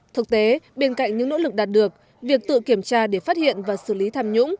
thực tế bên cạnh những nỗ lực đạt được việc tự kiểm tra để phát hiện và xử lý tham nhũng